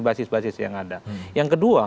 basis basis yang ada yang kedua